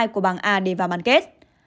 của bảng a để vào bàn kết